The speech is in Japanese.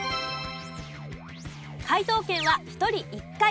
解答権は１人１回。